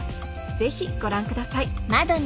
ぜひご覧ください